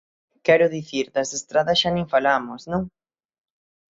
Quero dicir, das estradas xa nin falamos, non?